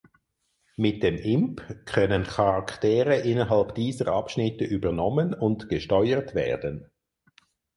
Mit dem imp können Charaktere innerhalb dieser Abschnitte übernommen und gesteuert werden.